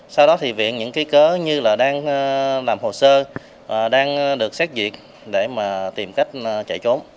sau đó thì viện những ký cớ như là đang làm hồ sơ đang được xét duyệt để mà tìm cách chạy trốn